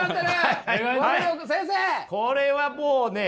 これはもうね。